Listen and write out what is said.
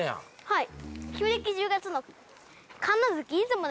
はい。